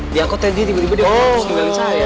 diangkutnya dia tiba tiba diangkut terus tinggalin saya